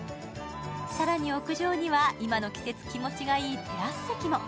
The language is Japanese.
更に屋上には、今の季節、気持ちがいいテラス席も。